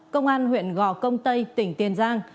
công an huyện gò công tây tỉnh tiền giang